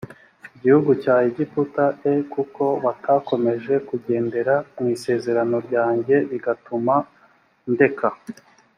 gihugu cya egiputa e kuko batakomeje kugendera mu isezerano ryanjye bigatuma ndeka